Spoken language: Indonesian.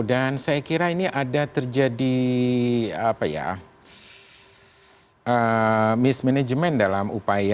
dan saya kira ini ada terjadi miss management dalam upaya